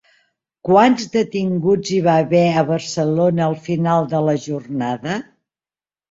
Quants detinguts hi va haver a Barcelona al final de la jornada?